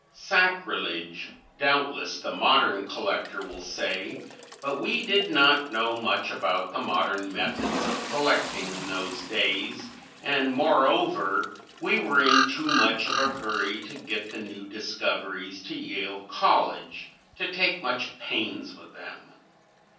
Sacrilege, doubtless, the modern collector will say, but we did not know much about the modern methods of collecting in those days, and moreover we were in too much of a hurry to get the new discoveries to Yale College to take much pains with them.